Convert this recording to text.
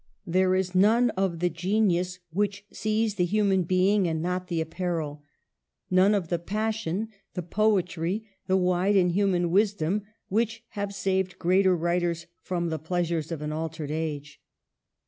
There is none of the genius which sees the human being and not the apparel; none of the passion, the poetry, the wide and human wisdom, which have saved greater writ ers for the pleasures of an altered age.